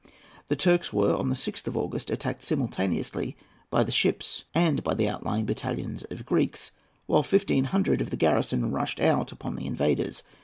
The Turks were, on the 6th of August, attacked simultaneously by the ships and by the outlying battalion of Greeks, while fifteen hundred of the garrison rushed out upon the invaders.